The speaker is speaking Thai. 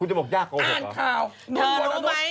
อ้านข่าวนุ่นวรรณุษย์